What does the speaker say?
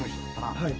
はい。